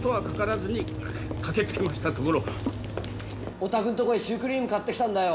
お宅んとこへシュークリーム買ってきたんだよ。